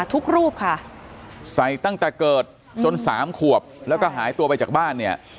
ทุกรูปค่ะใส่ตั้งแต่เกิดจนสามขวบแล้วก็หายตัวไปจากบ้านเนี่ย